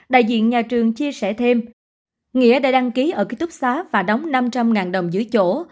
đại diện nhà trường chia sẻ thêm nghĩa đã đăng ký ở ký túc xá và đóng năm trăm linh đồng giữ chỗ